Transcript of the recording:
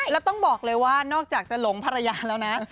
แล้วต้องบอกเลยว่านอกจากจะหลงภรรยาแล้วนะ